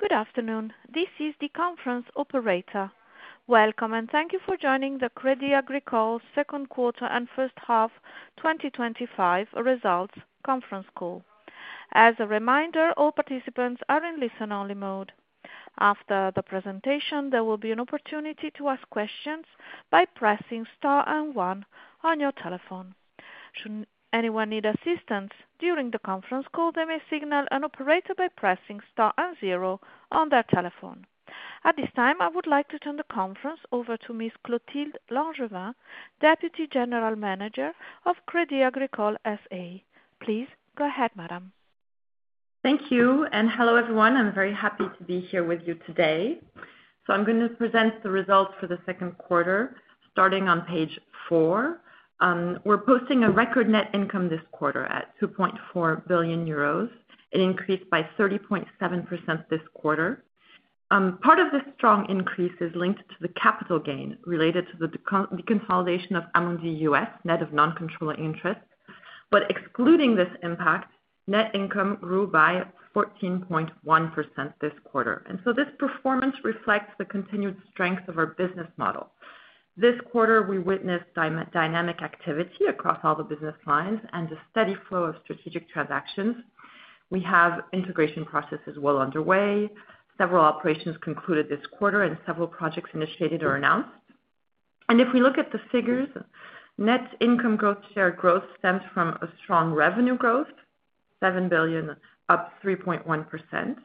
Good afternoon. This is the conference operator. Welcome, and thank you for joining the Crédit Agricole S.A. Second Quarter and First Half 2025 Results Conference Call. As a reminder, all participants are in listen-only mode. After the presentation, there will be an opportunity to ask questions by pressing star and one on your telephone. Should anyone need assistance during the conference call, they may signal an operator by pressing star and zero on their telephone. At this time, I would like to turn the conference over to Ms. Clotilde L’Angevin, Deputy General Manager of Crédit Agricole S.A. Please go ahead, Madame. Thank you. And hello, everyone. I'm very happy to be here with you today. I'm going to present the results for the second quarter, starting on page four. We're posting a record net income, this quarter at 2.4 billion euros. It increased by 30.7%, this quarter. Part of this strong increase is linked to the capital gain, related to the deconsolidation of Amundi U.S., net of non-controlling interest. Excluding this impact, net income, grew by 14.1%, this quarter. This performance reflects the continued strength of our business model. This quarter, we witnessed dynamic activity across all the business lines and a steady flow of strategic transactions. We have integration processes well underway. Several operations concluded this quarter, and several projects initiated or announced. If we look at the figures, net income growth, share growth, stems from a strong revenue growth, 7 billion, up 3.1%.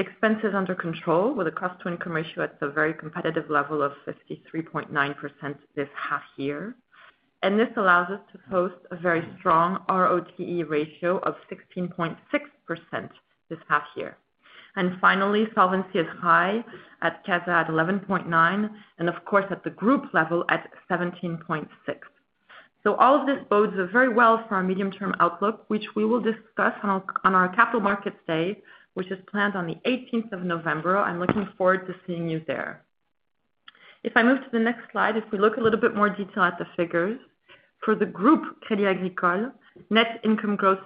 Expenses, under control, with a cost-to-income ratio, at the very competitive level of 53.9%, this half year. This allows us to post a very strong ROTE ratio, of 16.6%, this half year. Finally, solvency, is high at CASA, at 11.9, and of course, at the group level at 17.6. All of this bodes very well for our medium-term outlook, which we will discuss on our Capital Markets Day, which is planned on the 18th of November. I'm looking forward to seeing you there. If I move to the next slide, if we look a little bit more detail at the figures, for the group net income growth.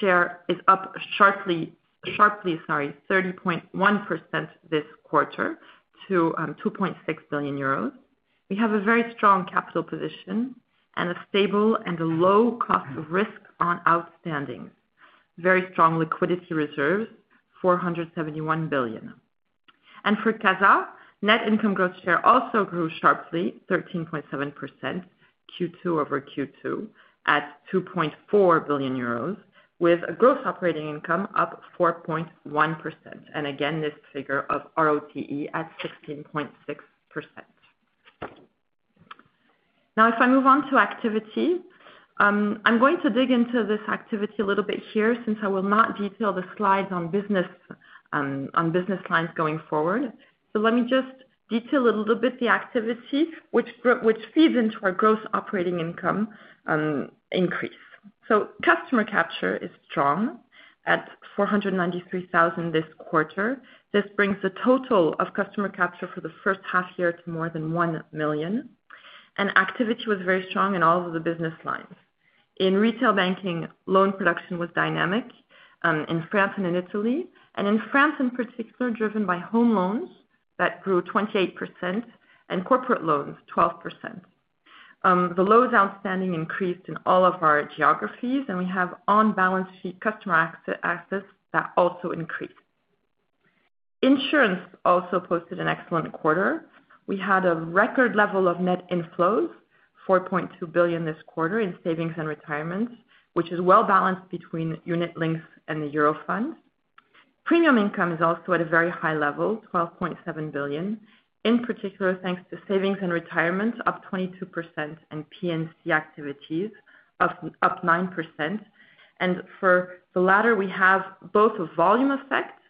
Share is up sharply. 30.1%, this quarter, to 2.6 billion euros. We have a very strong capital position and a stable and a low cost of risk, on outstandings. Very strong liquidity reserves, 471 billion. For CASA, net income growth share also grew sharply, 13.7%. Q2 over Q2, at 2.4 billion euros, with a gross operating income up 4.1%. Again, this figure of ROTE, at 16.6%. Now, if I move on to activity, I'm going to dig into this activity a little bit here since I will not detail the slides on business lines going forward. Let me just detail a little bit the activity, which feeds into our gross operating income, increase. Customer capture is strong at 493,000, this quarter. This brings the total of customer capture for the first half year to more than 1 million. Activity was very strong in all of the business lines. In retail banking, loan production was dynamic in France and in Italy. In France in particular, driven by home loans that grew 28%, and corporate loans 12%. The loan outstanding, increased in all of our geographies, and we have on-balance sheet, customer access that also increased. Insurance also posted an excellent quarter. We had a record level of net inflows, 4.2 billion this quarter in savings and retirement, which is well balanced between unit links and the Eurofund. Premium income, is also at a very high level, 12.7 billion, in particular thanks to savings and retirement, up 22%, and P&C activities, up 9%. For the latter, we have both a volume effect,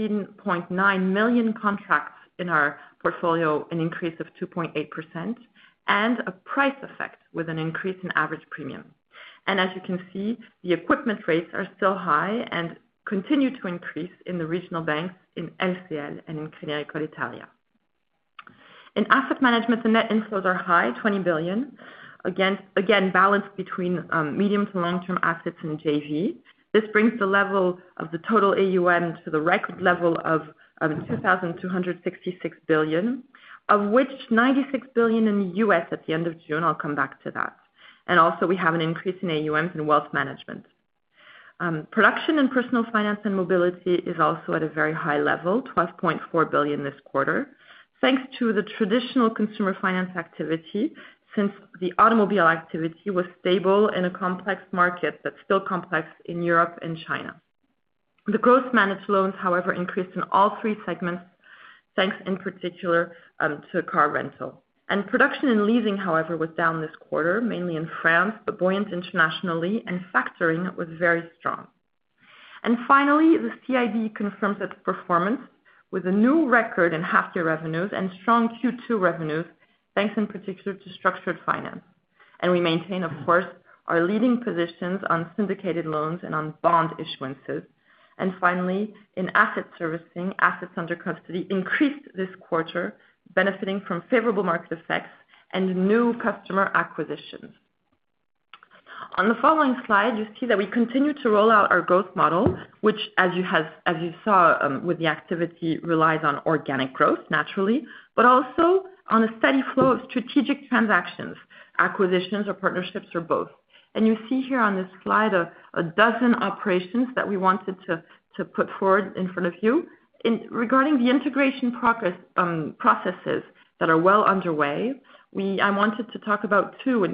16.9 million contracts in our portfolio, an increase of 2.8%, and a price effect, with an increase in average premium. As you can see, the equipment rates are still high and continue to increase in the Regional Banks, in LCL, and in Crédit Agricole Italia. In asset management, the net inflows are high, 20 billion, again, balanced between medium to long-term assets and JV. This brings the level of the total AUM, to the record level of 2,266 billion, of which 96 billion in the U.S. at the end of June. I'll come back to that. Also, we have an increase in AUMs, in wealth management. Production in personal finance, and mobility is also at a very high level, 12.4 billion, this quarter, thanks to the traditional consumer finance activity, since the automobile activity, was stable in a market that's still complex in Europe and China. The gross managed loans, however, increased in all three segments, thanks in particular to car rental. Production in leasing, however, was down this quarter, mainly in France, but buoyant internationally, and factoring was very strong. Finally, the CIB, confirms its performance with a new record in half-year revenues, and strong Q2 revenues, thanks in particular to structured finance. We maintain, of course, our leading positions on syndicated loans and on bond issuances. Finally, in asset servicing, assets under custody increased this quarter, benefiting from favorable market effects and new customer acquisitions. On the following slide, you see that we continue to roll out our growth model, which, as you saw with the activity, relies on organic growth naturally, but also on a steady flow of strategic transactions, acquisitions, or partnerships, or both. You see here on this slide a dozen operations that we wanted to put forward in front of you. Regarding the integration processes that are well underway, I wanted to talk about two,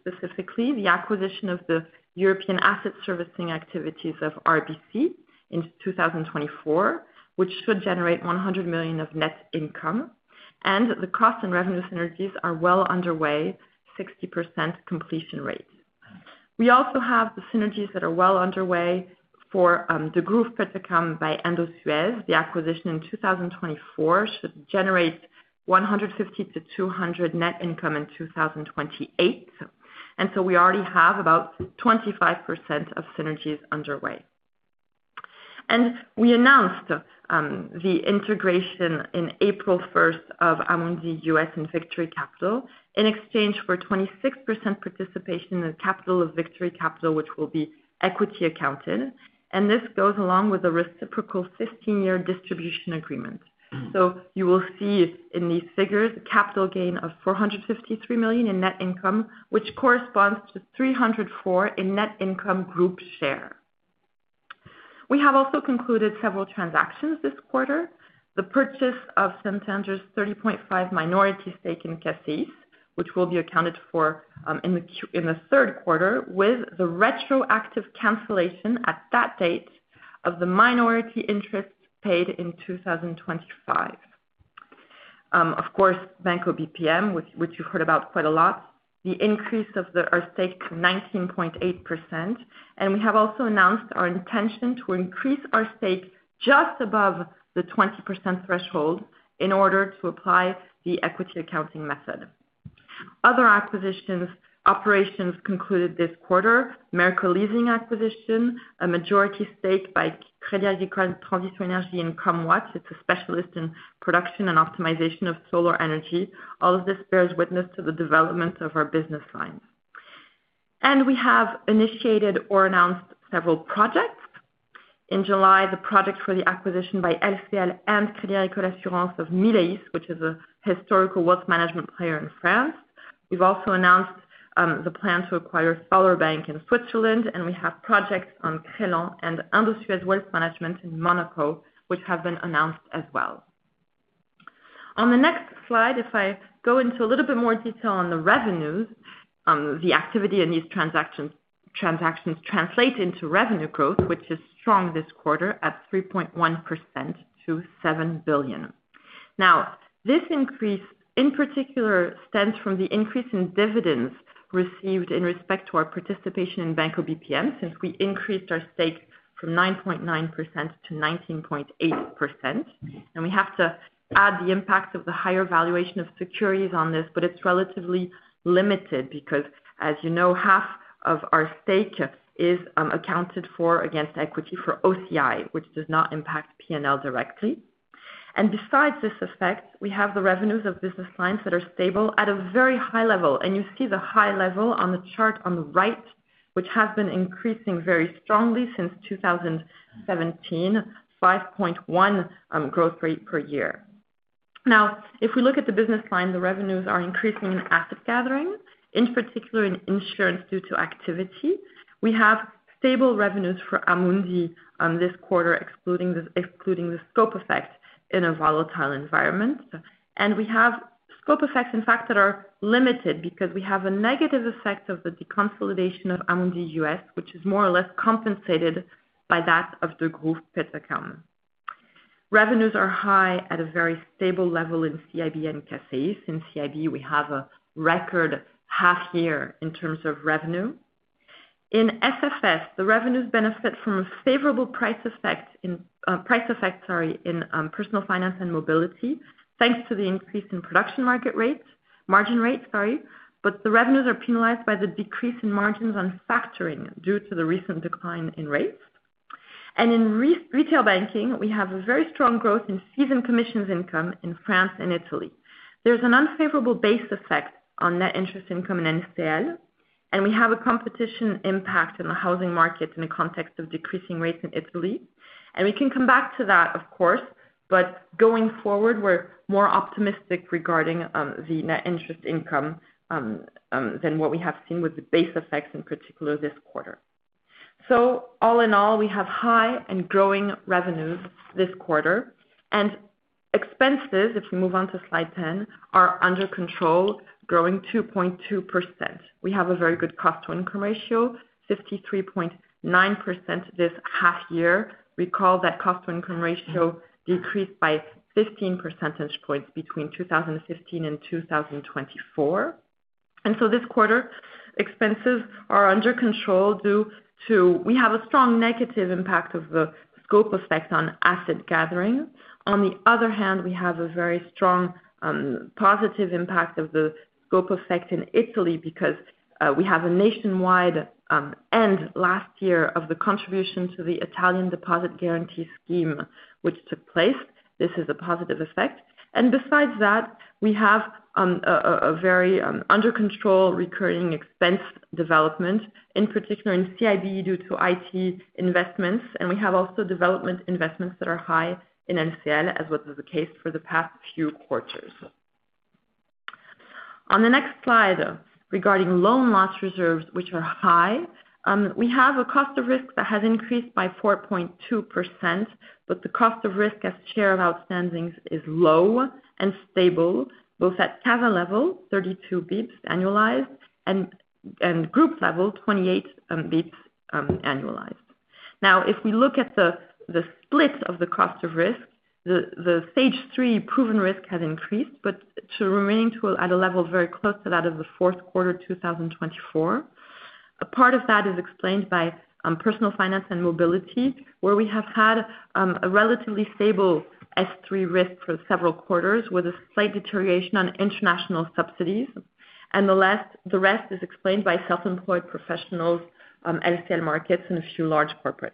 specifically the acquisition of the European, asset servicing activities of RBC, in 2024, which should generate 100 million of net income. The cost and revenue synergies, are well underway, 60%, completion rate. We also have the synergies that are well underway for the group Degroof Petercam by Indosuez. The acquisition in 2024 should generate 150 million to 200 million, net income in 2028. We already have about 25%, of synergies underway. We announced the integration on April 1 of Amundi U.S. and Victory Capital, in exchange for 26%, participation in the capital of Victory Capital, which will be equity accounted. This goes along with a reciprocal 15-year distribution agreement. You will see in these figures a capital gain, of 453 million, in net income, which corresponds to 304 million, in net income group share. We have also concluded several transactions this quarter, the purchase of Santander's, 30.5%, minority stake in CACEIS, which will be accounted for in the third quarter, with the retroactive cancellation at that date of the minority interest paid in 2025. Of course, Banco BPM, which you've heard about quite a lot, the increase of our stake to 19.8%. We have also announced our intention to increase our stake just above the 20%, threshold in order to apply the equity accounting method. Other acquisitions, operations concluded this quarter, Merkle Leasing, acquisition, a majority stake by Crédit Agricole Transition Énergie in Commois. It's a specialist in production and optimization of solar energy. All of this bears witness to the development of our business lines. We have initiated or announced several projects. In July, the project for the acquisition by LCL and Crédit Agricole Assurance, of Milleis, which is a historical wealth management player in France. We've also announced the plan to acquire Solarbank, in Switzerland. We have projects on Crelan and Indosuez Wealth Management, in Monaco, which have been announced as well. On the next slide, if I go into a little bit more detail on the revenues, the activity in these transactions translates into revenue growth, which is strong this quarter at 3.1%, to 7 billion. This increase in particular stems from the increase in dividends received in respect to our participation in Banco BPM, since we increased our stake from 9.9%, to 19.8%. We have to add the impact of the higher valuation of securities on this, but it's relatively limited because, as you know, half of our stake is accounted for against equity for OCI, which does not impact P&L, directly. Besides this effect, we have the revenues of business lines that are stable at a very high level. You see the high level on the chart on the right, which has been increasing very strongly since 2017, 5.1%, growth rate per year. Now, if we look at the business line, the revenues are increasing in asset gathering, in particular in insurance due to activity. We have stable revenues for Amundi, this quarter, excluding the scope effect in a volatile environment. We have scope effects, in fact, that are limited because we have a negative effect of the deconsolidation of Amundi U.S., which is more or less compensated by that of the group Degroof Petercam. Revenues are high at a very stable level in CIB and CACEIS. In CIB, we have a record half year in terms of revenue. In SFS, the revenues benefit from a favorable price effect. In personal finance and mobility, thanks to the increase in production market rates, margin rates, sorry. The revenues are penalized by the decrease in margins on factoring due to the recent decline in rates. In retail banking, we have a very strong growth in fees and commissions income in France and Italy. There's an unfavorable base effect on net interest income in LCL. We have a competition impact in the housing market in the context of decreasing rates in Italy. We can come back to that, of course. Going forward, we're more optimistic regarding the net interest income than what we have seen with the base effects, in particular this quarter. All in all, we have high and growing revenues this quarter. Expenses, if we move on to slide 10, are under control, growing 2.2%. We have a very good cost-to-income ratio, 53.9%, this half year. Recall that cost-to-income ratio, decreased by 15 percentage points, between 2015 and 2024. This quarter, expenses are under control due to a strong negative impact of the scope effect on asset gathering. On the other hand, we have a very strong positive impact of the scope effect in Italy, because we have a nationwide end last year of the contribution to the Italian deposit guarantee scheme, which took place. This is a positive effect. Besides that, we have. A very under control recurring expense development, in particular in CIB, due to IT investments. We have also development investments that are high in NCL, as was the case for the past few quarters. On the next slide, regarding loan loss reserves, which are high, we have a cost of risk that has increased by 4.2%. The cost of risk as share of outstandings is low and stable, both at CASA level, 32 bps annualized, and group level, 28 bps annualized. Now, if we look at the split of the cost of risk, the stage three proven risk has increased, but remaining at a level very close to that of the fourth quarter 2024. A part of that is explained by personal finance and mobility, where we have had a relatively stable S3 risk, for several quarters with a slight deterioration on international subsidiaries. The rest is explained by self-employed professionals, LCL markets, and a few large corporates.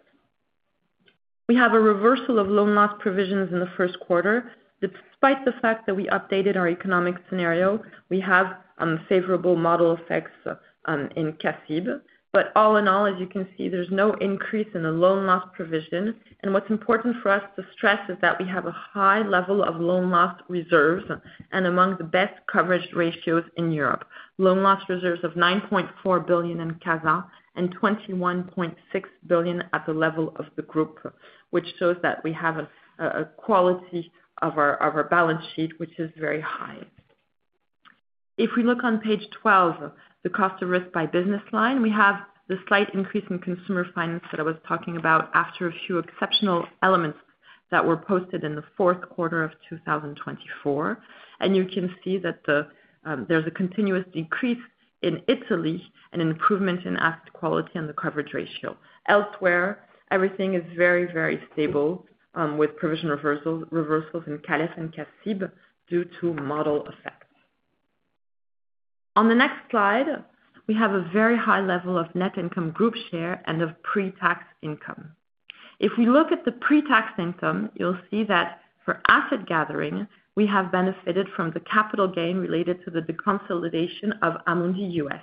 We have a reversal of loan loss provisions in the first quarter. Despite the fact that we updated our economic scenario, we have favorable model effects in CASIB. All in all, as you can see, there's no increase in the loan loss provision. What's important for us to stress is that we have a high level of loan loss reserves and among the best coverage ratios in Europe, loan loss reserves of 9.4 billion in CASA, and 21.6 billion at the level of the group, which shows that we have a quality of our balance sheet, which is very high. If we look on page 12, the cost of risk by business line, we have the slight increase in consumer finance that I was talking about after a few exceptional elements that were posted in the fourth quarter of 2024. You can see that there's a continuous decrease in Italy, and an improvement in asset quality and the coverage ratio. Elsewhere, everything is very, very stable with provision reversals in CALIF and CASIB, due to model effects. On the next slide, we have a very high level of net income group share and of pre-tax income. If we look at the pre-tax income, you'll see that for asset gathering, we have benefited from the capital gain related to the deconsolidation of Amundi U.S.,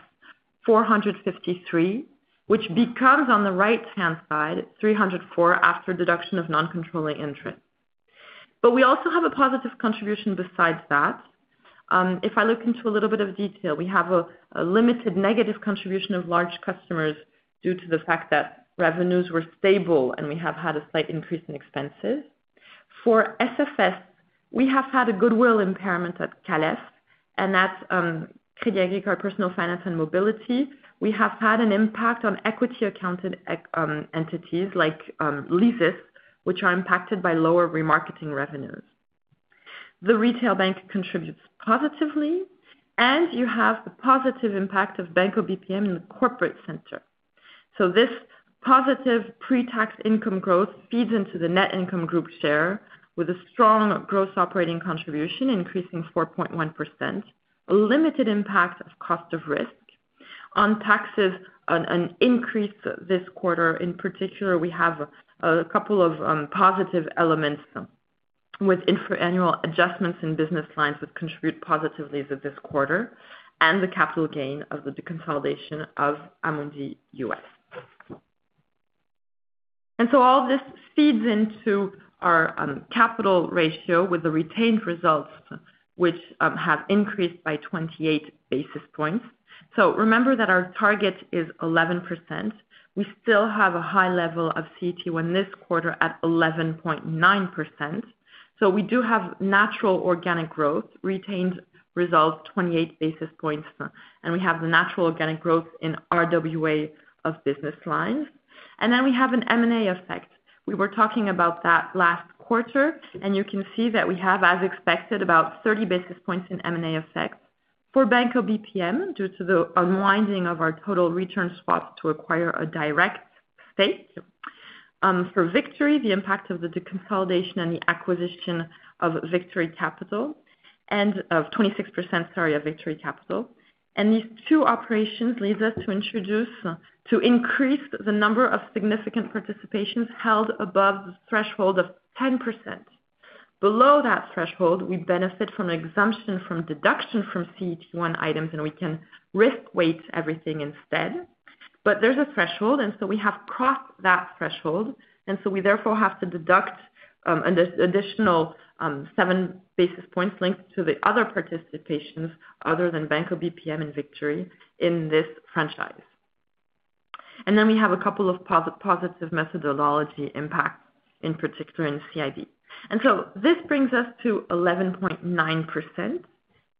453 million, which becomes, on the right-hand side, 304 million after deduction of non-controlling interest. We also have a positive contribution besides that. If I look into a little bit of detail, we have a limited negative contribution, of large customers due to the fact that revenues were stable and we have had a slight increase in expenses. For SFS, we have had a goodwill impairment at CALIF, and at Crédit Agricole Personal Finance and Mobility, we have had an impact on equity-accounted entities like Leasis, which are impacted by lower remarketing revenues. The retail bank contributes positively, and you have the positive impact of Banco BPM, in the corporate center. This positive pre-tax income growth, feeds into the net income group share, with a strong gross operating contribution, increasing 4.1%. There is a limited impact of cost of risk. On taxes, there is an increase this quarter. In particular, we have a couple of positive elements, with infra annual adjustments, in business lines that contribute positively to this quarter and the capital gain, of the deconsolidation of Amundi U.S. All of this feeds into our capital ratio, with the retained results, which have increased by 28 basis points. Remember that our target is 11%. We still have a high level of CET1, this quarter at 11.9%. We do have natural organic growth, retained results, 28 basis points, and we have the natural organic growth in RWA, of business lines. We have an M&A, effect. We were talking about that last quarter, and you can see that we have, as expected, about 30 basis points in M&A, effect for Banco BPM, due to the unwinding of our total return swaps to acquire a direct stake. For Victory, the impact of the deconsolidation and the acquisition of Victory Capital, and of 26%, sorry, of Victory Capital. These two operations, lead us to increase the number of significant participations held above the threshold of 10%. Below that threshold, we benefit from an exemption from deduction from CET1 items, and we can risk-weight, everything instead. There is a threshold, and we have crossed that threshold. We therefore have to deduct an additional 7 basis points, linked to the other participations other than Banco BPM, and Victory, in this franchise. We have a couple of positive methodology impacts, in particular in CIB. This brings us to 11.9%,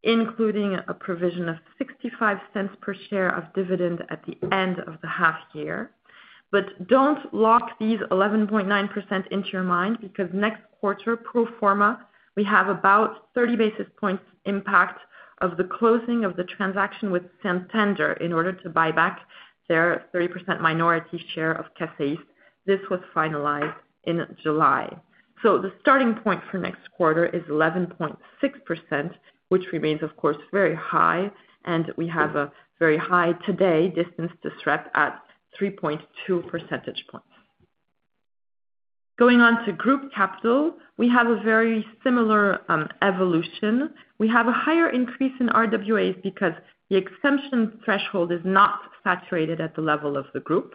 including a provision of 0.65 per share, of dividend at the end of the half year. Do not lock these 11.9%, into your mind because next quarter, pro forma, we have about 30 basis points, impact of the closing of the transaction with Santander, in order to buy back their 30%, minority share, of CACEIS. This was finalized in July. The starting point for next quarter is 11.6%, which remains, of course, very high, and we have a very high today distance to stretch at 3.2 percentage points. Going on to group capital, we have a very similar evolution. We have a higher increase in RWAs, because the exemption threshold is not saturated at the level of the group.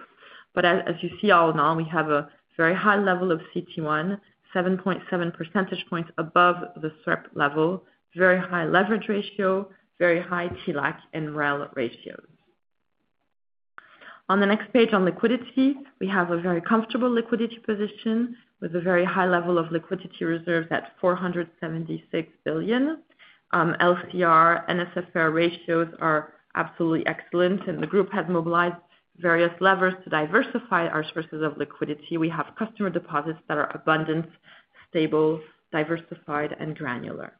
As you see, all in all, we have a very high level of CET1, 7.7 percentage points, above the SREP level, very high leverage ratio, very high TLAC and REL ratios. On the next page on liquidity, we have a very comfortable liquidity position, with a very high level of liquidity reserves, at 476 billion. LCR, NSFR ratios, are absolutely excellent, and the group has mobilized various levers to diversify our sources of liquidity. We have customer deposits that are abundant, stable, diversified, and granular.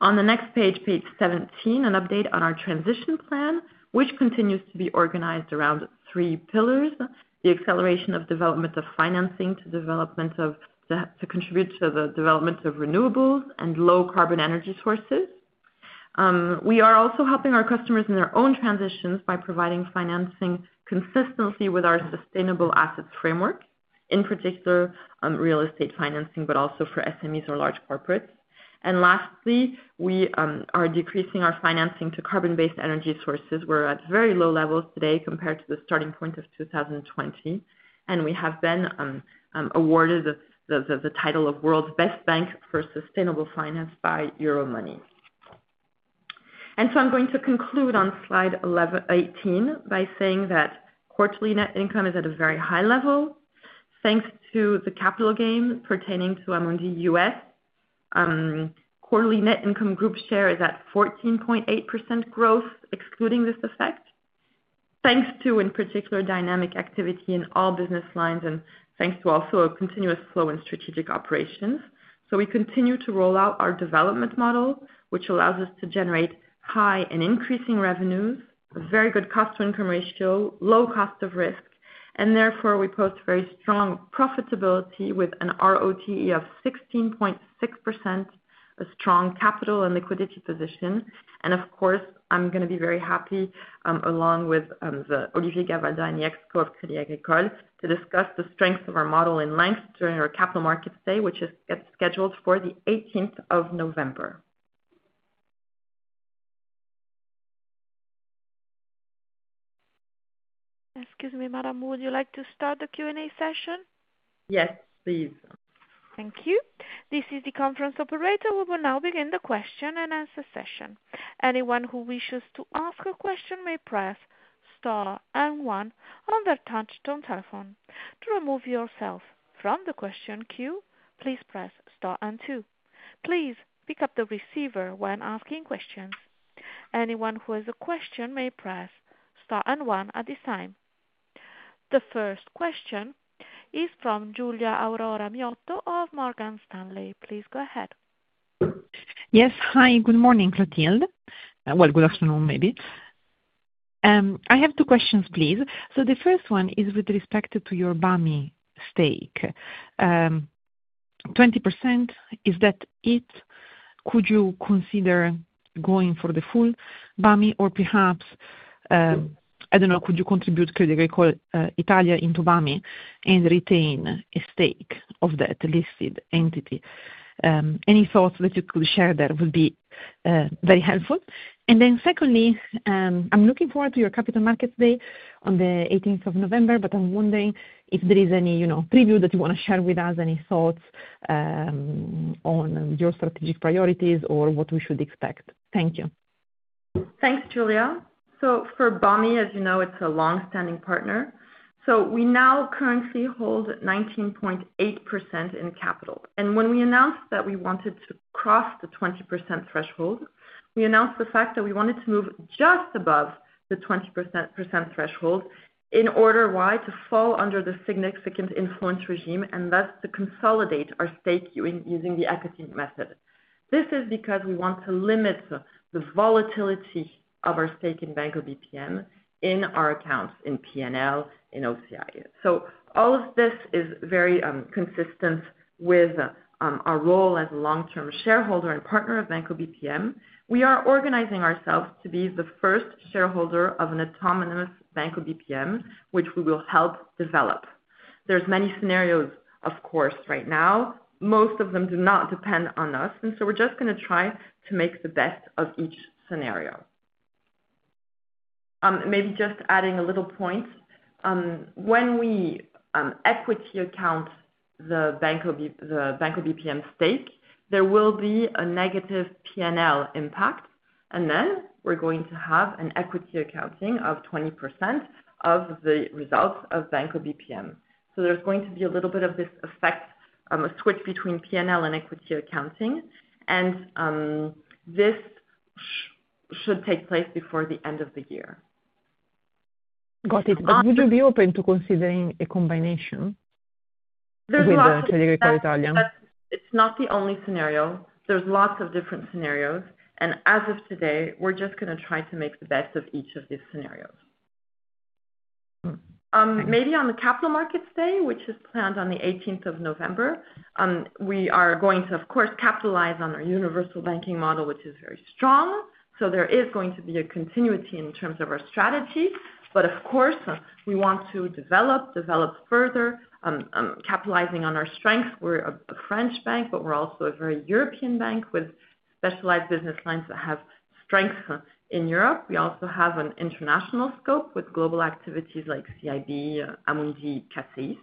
On the next page, page 17, an update on our transition plan, which continues to be organized around three pillars: the acceleration of development of financing to contribute to the development of renewables and low carbon energy sources. We are also helping our customers in their own transitions by providing financing consistently with our sustainable assets framework, in particular real estate financing, but also for SMEs, or large corporates. Lastly, we are decreasing our financing to carbon-based energy sources. We're at very low levels today compared to the starting point of 2020, and we have been awarded the title of World's Best Bank, for sustainable finance by Euromoney. I'm going to conclude on slide 18, by saying that quarterly net income, is at a very high level thanks to the capital gain pertaining to Amundi U.S. Quarterly net income, group share is at 14.8% ,growth, excluding this effect, thanks to, in particular, dynamic activity in all business lines and thanks to also a continuous flow in strategic operations. We continue to roll out our development model, which allows us to generate high and increasing revenues, a very good cost-to-income ratio, low cost of risk, and therefore we post very strong profitability with an ROTE, of 16.6%. A strong capital and liquidity position. Of course, I'm going to be very happy, along with Olivier Gavalda, and the of Crédit Agricole, to discuss the strength of our model in length during our Capital Markets Day, which is scheduled for the 18th of November. Excuse me, Madame, would you like to start the Q&A session? Yes, please. Thank you. This is the conference operator. We will now begin the question and answer session. Anyone who wishes to ask a question may press star and one on their touch-tone telephone. To remove yourself from the question queue, please press star and two. Please pick up the receiver when asking questions. Anyone who has a question may press star and one at this time. The first question is from Giulia Aurora Miotto, of Morgan Stanley. Please go ahead. Yes, hi. Good morning, Clotilde. Good afternoon, maybe. I have two questions, please. The first one is with respect to your Banco BPM, stake. 20%, is that it? Could you consider going for the full Banco BPM, or perhaps, I don't know, could you contribute Crédit Agricole Italia, into Banco BPM, and retain a stake of that listed entity? Any thoughts that you could share there would be very helpful. Secondly, I'm looking forward to your Capital Markets Day, on the 18th of November, but I'm wondering if there is any preview that you want to share with us, any thoughts on your strategic priorities or what we should expect. Thank you. Thanks, Giulia. For Banco BPM, as you know, it's a long-standing partner. We now currently hold 19.8%, in capital. When we announced that we wanted to cross the 20%, threshold, we announced the fact that we wanted to move just above the 20%, threshold in order to fall under the significant influence regime, and that's to consolidate our stake using the equity method. This is because we want to limit the volatility, of our stake in Banco BPM, in our accounts in P&L, in OCI. All of this is very consistent with our role as a long-term shareholder and partner of Banco BPM. We are organizing ourselves to be the first shareholder of an autonomous Banco BPM, which we will help develop. There are many scenarios, of course, right now. Most of them do not depend on us, and we are just going to try to make the best of each scenario. Maybe just adding a little point. When we equity account the Banco BPM stake, there will be a negative P&L, impact, and then we are going to have an equity accounting of 20%, of the results of Banco BPM. There is going to be a little bit of this effect, a switch between P&L, and equity accounting, and this should take place before the end of the year. Got it. Would you be open to considering a combination with Crédit Agricole Italia? It's not the only scenario. There are lots of different scenarios, and as of today, we're just going to try to make the best of each of these scenarios. Maybe on the Capital Markets Day, which is planned on the 18th of November, we are going to, of course, capitalize on our universal banking model, which is very strong. There is going to be a continuity in terms of our strategy, but of course, we want to develop further, capitalizing on our strengths. We're a French bank, but we're also a very European bank, with specialized business lines that have strengths in Europe. We also have an international scope with global activities like CIB, Amundi, CACEIS.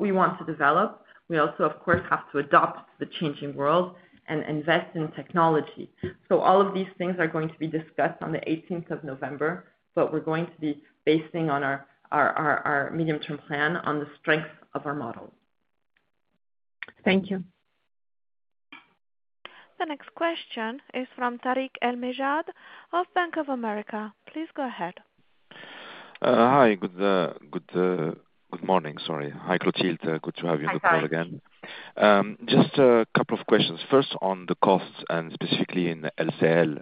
We want to develop. We also, of course, have to adapt to the changing world and invest in technology. All of these things are going to be discussed on the 18th of November, and we're going to be basing our medium-term plan on the strengths of our model. Thank you. The next question is from Tarik El Mejjad, of Bank of America. Please go ahead. Hi. Good morning. Hi, Clotilde. Good to have you. Good morning again. Just a couple of questions. First, on the costs and specifically in LCL.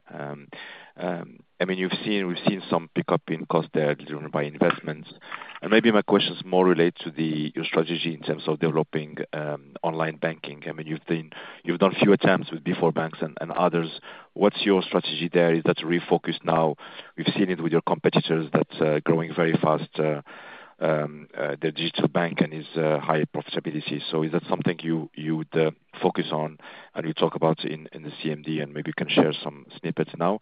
We've seen some pickup in cost there driven by investments. My question is more related to your strategy in terms of developing online banking. You've done a few attempts with before banks and others. What's your strategy there? Is that refocused now? We've seen it with your competitors that are growing very fast. Their digital bank, is high profitability. Is that something you would focus on and you talk about in the Capital Markets Day, and maybe you can share some snippets now?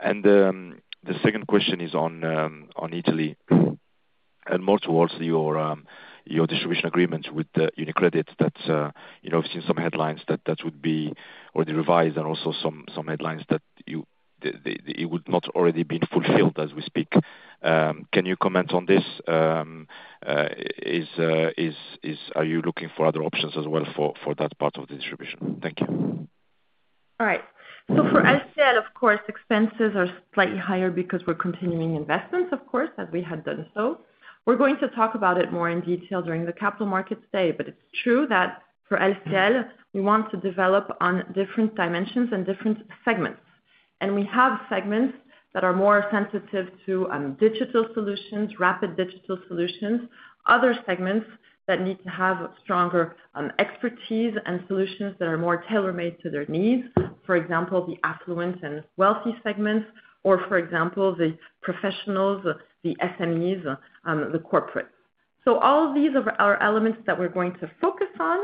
The second question is on Italy, and more towards your distribution agreement with UniCredit. I've seen some headlines that would be already revised and also some headlines that it would not already be fulfilled as we speak. Can you comment on this? Are you looking for other options as well for that part of the distribution? Thank you. All right. For LCL, of course, expenses are slightly higher because we're continuing investments, as we had done so. We're going to talk about it more in detail during the Capital Markets Day, but it's true that for LCL, we want to develop on different dimensions and different segments. We have segments that are more sensitive to digital solutions, rapid digital solutions, and other segments that need to have stronger expertise and solutions that are more tailor-made to their needs, for example, the affluent and wealthy segments, or the professionals, the SMEs, the corporates. All of these are elements that we're going to focus on.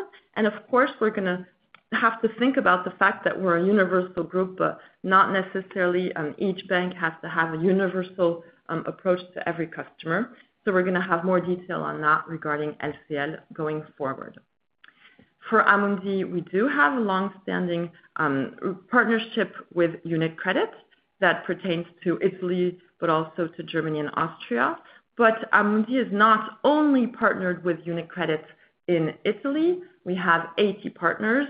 Of course, we're going to have to think about the fact that we're a universal group, not necessarily each bank has to have a universal approach to every customer. We're going to have more detail on that regarding LCL, going forward. For Amundi, we do have a long-standing partnership with UniCredit, that pertains to Italy, but also to Germany and Austria. Amundi, is not only partnered with UniCredit, in Italy. We have 80 partners.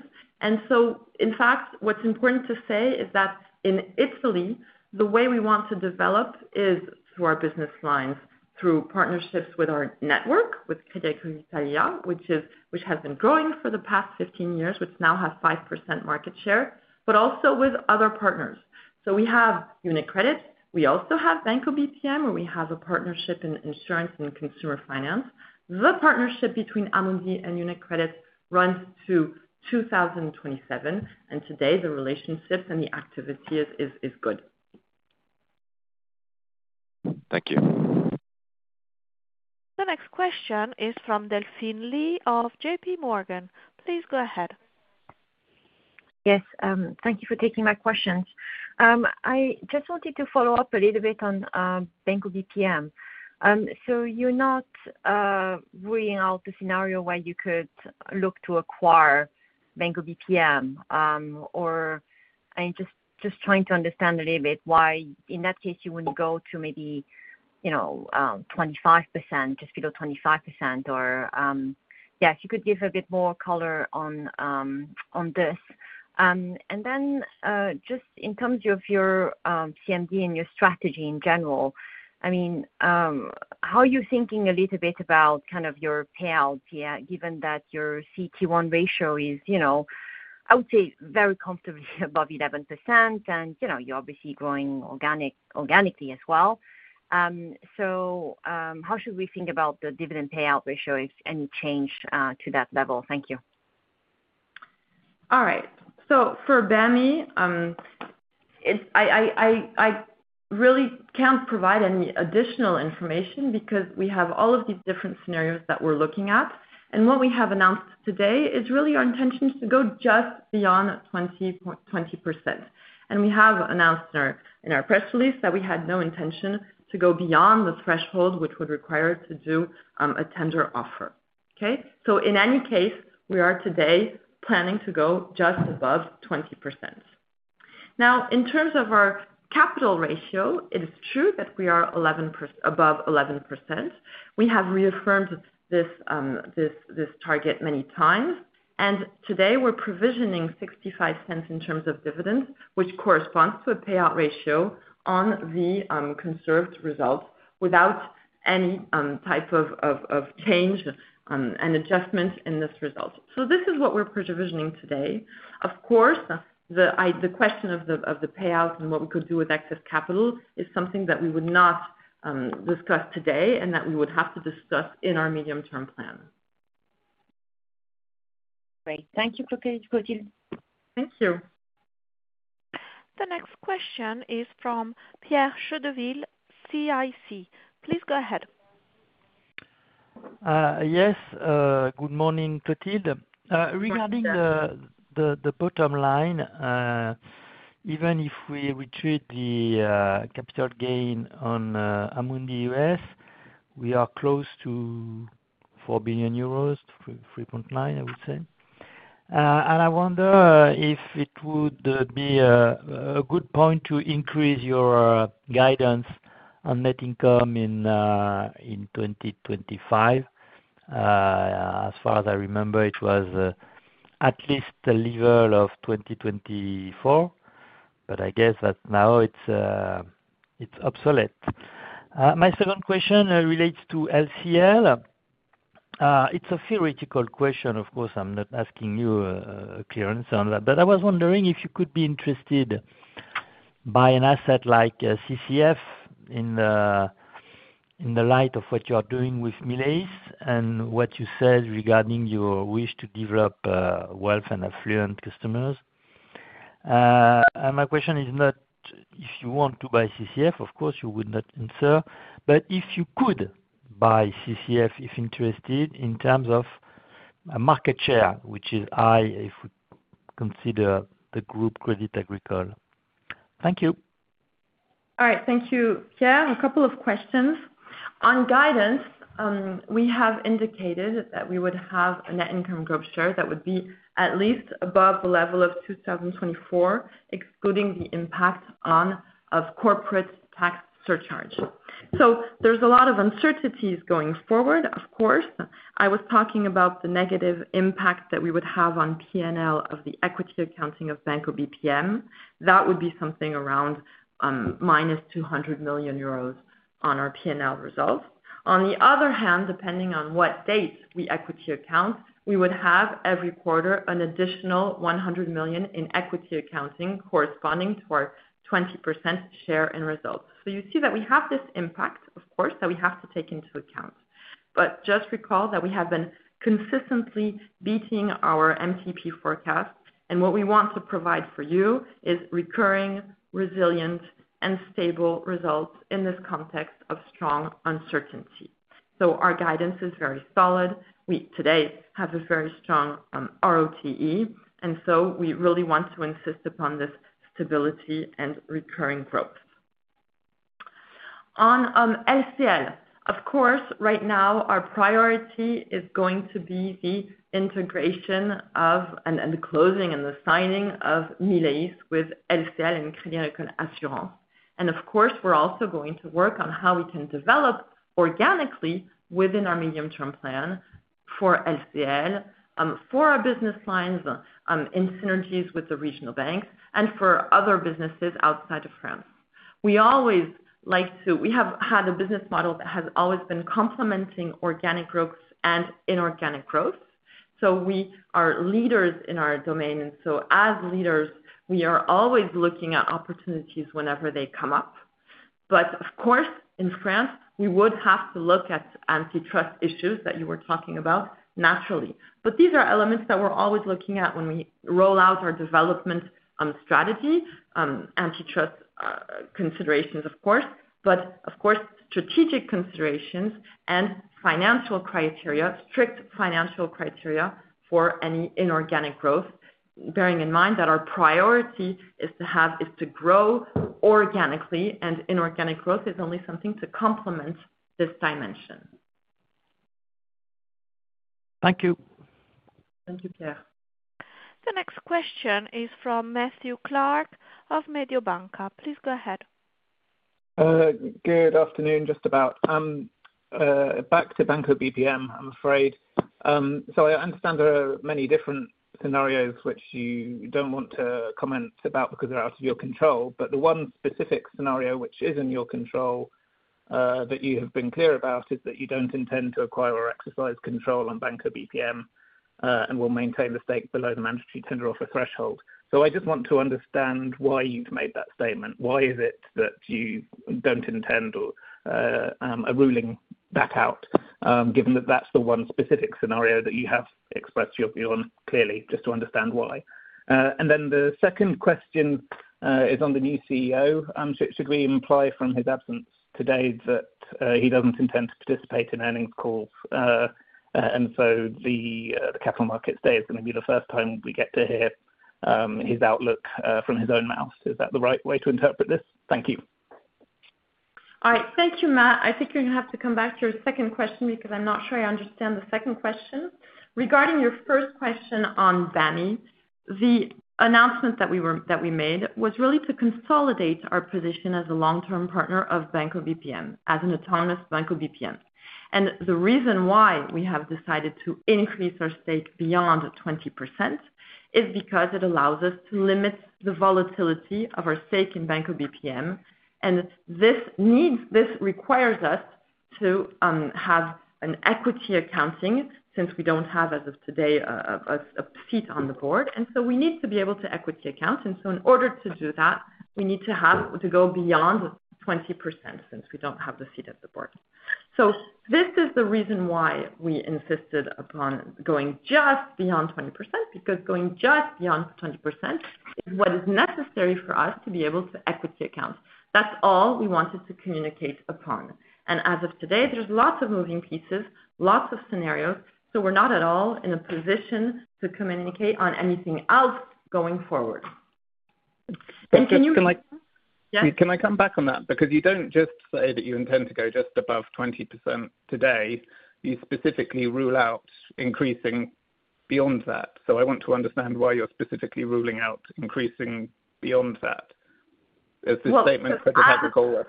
In fact, what's important to say is that in Italy, the way we want to develop is through our business lines, through partnerships with our network, with Crédit Agricole, which has been growing for the past 15 years, which now has 5%, market share, but also with other partners. We have UniCredit. We also have Banco BPM, where we have a partnership in insurance and consumer finance. The partnership between Amundi and UniCredit, runs to 2027, and today, the relationship and the activity is good. Thank you. The next question is from Delphine Lee, of JP Morgan. Please go ahead. Yes. Thank you for taking my questions. I just wanted to follow up a little bit on Banco BPM. You're not ruling out the scenario where you could look to acquire Banco BPM. I'm just trying to understand a little bit why, in that case, you wouldn't go to maybe 25%, just below 25%. Could you give a bit more color on this? In terms of your Capital Markets Day, and your strategy in general, how are you thinking a little bit about your payout, given that your CET1 ratio, is, I would say, very comfortably above 11%, and you're obviously growing organically as well? How should we think about the dividend payout ratio, if any change to that level? Thank you. All right. For Banco BPM, I really can't provide any additional information because we have all of these different scenarios that we're looking at. What we have announced today is really our intention to go just beyond 20%. We have announced in our press release that we had no intention to go beyond the threshold, which would require us to do a tender offer. In any case, we are today planning to go just above 20%. In terms of our capital ratio, it is true that we are above 11%. We have reaffirmed this target many times. Today, we're provisioning 0.65, in terms of dividends, which corresponds to a payout ratio, on the conserved results without any type of change and adjustment in this result. This is what we're provisioning today. Of course, the question of the payout, and what we could do with excess capital, is something that we would not discuss today and that we would have to discuss in our medium-term plan. Great. Thank you, Clotilde. Thank you. The next question is from Pierre Chedeville, CIC. Please go ahead. Yes. Good morning, Clotilde. Regarding the bottom line, even if we retrieve the capital gain on Amundi U.S., we are close to 4 billion euros, 3.9 billion, I would say. I wonder if it would be a good point to increase your guidance on net income, in 2025. As far as I remember, it was at least the level of 2024, but I guess that now it's obsolete. My second question, relates to LCL. It's a theoretical question. Of course, I'm not asking you a clear answer on that, but I was wondering if you could be interested by an asset like CCF, in the light of what you are doing with Milleis, and what you said regarding your wish to develop wealth and affluent customers. My question is not if you want to buy CCF, of course, you would not answer, but if you could buy CCF, if interested, in terms of market share, which is high if we consider the group Crédit Agricole. Thank you. All right. Thank you, Pierre. A couple of questions. On guidance, we have indicated that we would have a net income group share, that would be at least above the level of 2024, excluding the impact on corporate tax surcharge. There is a lot of uncertainties going forward, of course. I was talking about the negative impact that we would have on P&L, of the equity accounting of Banco BPM. That would be something around 200 million euros, on our P&L results. On the other hand, depending on what date we equity account, we would have every quarter an additional 100 million, in equity accounting, corresponding to our 20%, share in results. You see that we have this impact, of course, that we have to take into account. Just recall that we have been consistently beating our MTP forecast, and what we want to provide for you is recurring, resilient, and stable results in this context of strong uncertainty. Our guidance is very solid. We today have a very strong ROTE, and we really want to insist upon this stability and recurring growth. On LCL, right now, our priority is going to be the integration of and the closing and the signing of Milleis, with LCL, and Crédit Agricole Assurance. We are also going to work on how we can develop organically within our medium-term plan for LCL, for our business lines in synergies with the regional banks, and for other businesses outside of France. We always like to—we have had a business model that has always been complementing organic growth and inorganic growth. We are leaders in our domain, and as leaders, we are always looking at opportunities whenever they come up. In France, we would have to look at antitrust issues, that you were talking about naturally. These are elements that we're always looking at when we roll out our development strategy, antitrust considerations, of course, but also strategic considerations and financial criteria, strict financial criteria for any inorganic growth, bearing in mind that our priority is to grow organically, and inorganic growth is only something to complement this dimension. Thank you. Thank you, Pierre. The next question is from Matthew Clark, of Mediobanca. Please go ahead. Good afternoon, just about. Back to Banco BPM, I'm afraid. I understand there are many different scenarios which you don't want to comment about because they're out of your control, but the one specific scenario which is in your control that you have been clear about is that you don't intend to acquire or exercise control on Banco BPM, and will maintain the stake below the mandatory tender offer threshold. I just want to understand why you've made that statement. Why is it that you don't intend or are ruling that out, given that that's the one specific scenario that you have expressed your view on clearly, just to understand why? The second question is on the new CEO. Should we imply from his absence today that he doesn't intend to participate in earnings calls and the Capital Markets Day, is going to be the first time we get to hear his outlook from his own mouth? Is that the right way to interpret this? Thank you. All right. Thank you, Matt. I think you're going to have to come back to your second question because I'm not sure I understand the second question. Regarding your first question on BAMI, the announcement that we made was really to consolidate our position as a long-term partner of Banco BPM, as an autonomous Banco BPM. The reason why we have decided to increase our stake beyond 20%, is because it allows us to limit the volatility, of our stake in Banco BPM, and this requires us to have equity accounting since we don't have, as of today, a seat on the board. We need to be able to equity account. In order to do that, we need to go beyond 20%, since we don't have the seat at the board. This is the reason why we insisted upon going just beyond 20%, because going just beyond 20%, is what is necessary for us to be able to equity account. That's all we wanted to communicate upon. As of today, there's lots of moving pieces, lots of scenarios, so we're not at all in a position to communicate on anything else going forward. Can you? Can I come back on that? Because you don't just say that you intend to go just above 20%, today. You specifically rule out increasing beyond that. I want to understand why you're specifically ruling out increasing beyond that. Is this statement Crédit Agricole?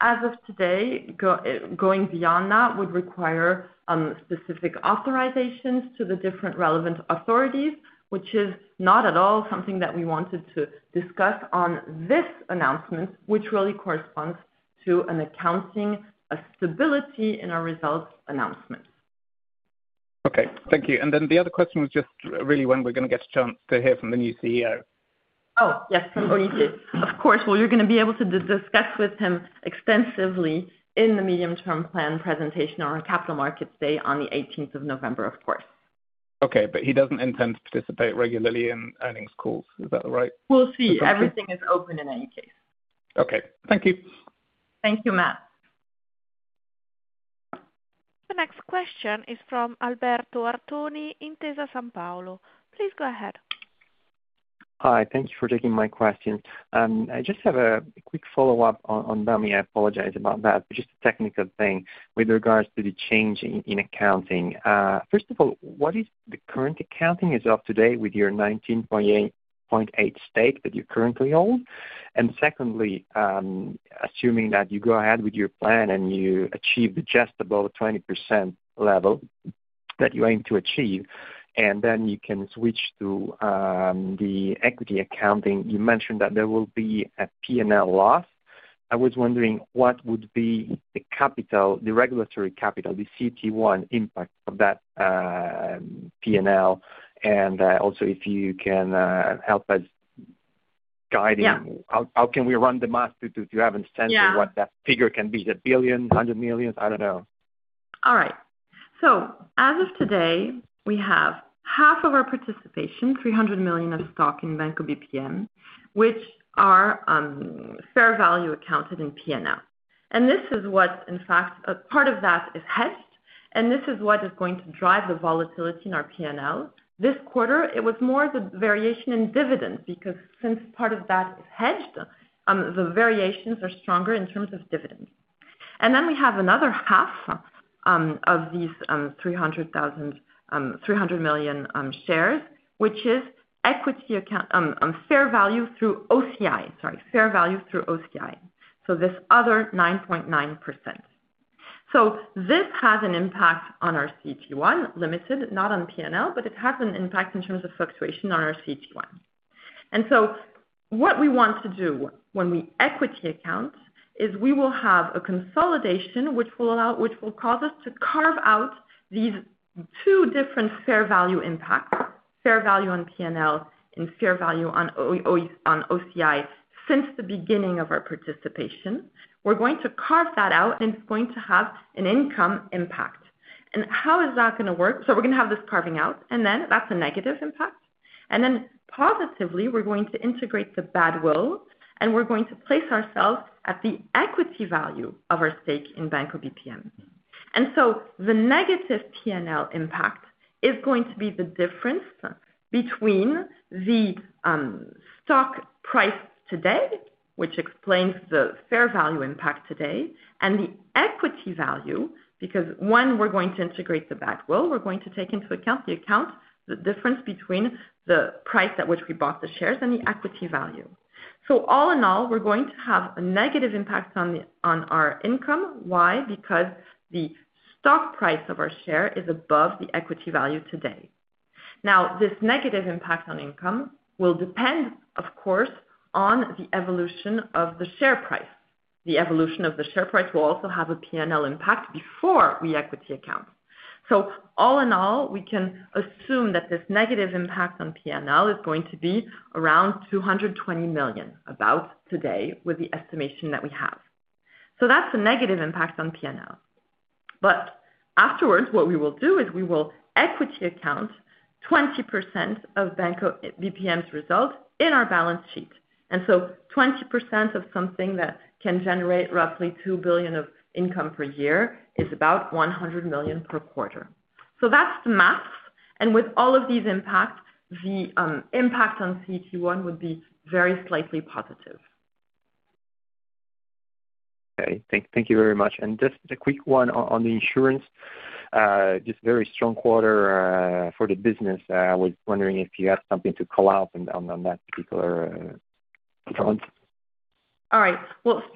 As of today, going beyond that would require specific authorizations from the different relevant authorities, which is not at all something that we wanted to discuss on this announcement, which really corresponds to an accounting, a stability in our results announcement. Okay. Thank you. The other question was just really when we're going to get a chance to hear from the new CEO. Oh, yes, from Olivier. Of course, you're going to be able to discuss with him extensively in the medium-term plan presentation on our Capital Markets Day on the 18th of November, of course. Okay. He doesn't intend to participate regularly in earnings calls. Is that right? Everything is open in any case. Okay. Thank you. Thank you, Matt. The next question is from Alberto Artoni, in Intesa Sanpaolo. Please go ahead. Hi. Thank you for taking my question. I just have a quick follow-up on Banco BPM. I apologize about that, but just a technical thing with regards to the change in accounting. First of all, what is the current accounting as of today with your 19.8%, stake that you currently hold? Secondly, assuming that you go ahead with your plan and you achieve just above the 20%, level that you aim to achieve, and then you can switch to the equity accounting, you mentioned that there will be a P&L loss. I was wondering what would be the regulatory capital, the CET1, impact of that P&L, and also if you can help us guiding how can we run the math to have a sense of what that figure can be, a billion, 100 million? I don't know. All right. As of today, we have half of our participation, 300 million of stock in Banco BPM, which are fair value accounted in P&L. Part of that is hedged, and this is what is going to drive the volatility in our P&L. This quarter, it was more the variation in dividends because since part of that is hedged, the variations are stronger in terms of dividends. We have another half of these 300 million shares, which is fair value through OCI. This other 9.9%. This has an impact on our CET1, limited, not on P&L, but it has an impact in terms of fluctuation on our CET1. What we want to do when we equity account is we will have a consolidation which will cause us to carve out these two different fair value impacts, fair value on P&L, and fair value on OCI, since the beginning of our participation. We're going to carve that out, and it's going to have an income impact. How is that going to work? We're going to have this carving out, and that's a negative impact. Positively, we're going to integrate the badwill, and we're going to place ourselves at the equity value of our stake in Banco BPM. The negative P&L, impact is going to be the difference between the stock price today, which explains the fair value impact today, and the equity value because we're going to integrate the badwill. We're going to take into account the difference between the price at which we bought the shares and the equity value. All in all, we're going to have a negative impact on our income. Why? Because the stock price of our share is above the equity value today. This negative impact on income will depend, of course, on the evolution of the share price. The evolution of the share price will also have a P&L, impact before we equity account. All in all, we can assume that this negative impact on P&L, is going to be around 220 million, about today, with the estimation that we have. That's a negative impact on P&L. Afterwards, what we will do is we will equity account 20%, of Banco BPM's, result in our balance sheet. 20% of something that can generate roughly 2 billion of income per year is about 100 million per quarter. That's the math. With all of these impacts, the impact on CET1, would be very slightly positive. Okay. Thank you very much. Just a quick one on the insurance. Just very strong quarter for the business. I was wondering if you had something to call out on that particular front. All right.